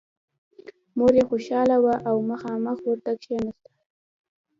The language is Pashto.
مور یې خوشحاله وه او مخامخ ورته کېناسته